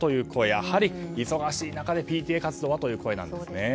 やはり忙しい中でＰＴＡ活動はという声なんですね。